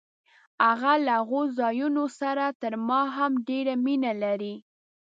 هغه له هغو ځایونو سره تر ما هم ډېره مینه لري.